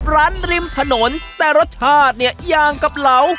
ริมถนนแต่รสชาติเนี่ยยางกับเหลา